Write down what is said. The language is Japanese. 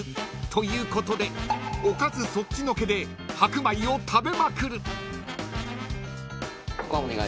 ［ということでおかずそっちのけで白米を食べまくる］